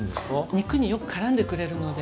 肉によくからんでくれるので。